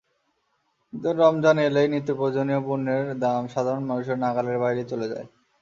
কিন্তু রমজান এলেই নিত্যপ্রয়োজনীয় পণ্যের দাম সাধারণ মানুষের নাগালের বাইরে চলে যায়।